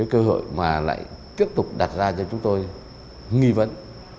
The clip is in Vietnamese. cơ hội mà lại tiếp tục đặt ra cho chúng tôi nghi vấn